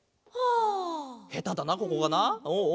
ヘタだなここがな。